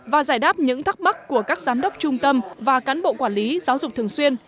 và giải đáp những thắc mắc của các giám đốc trung tâm và cán bộ quản lý giáo dục thường xuyên